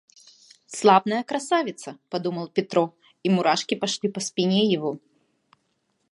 «Славная красавица!» – подумал Петро, и мурашки пошли по спине его.